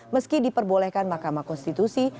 meski diperbolehkan mahkamah konstitusi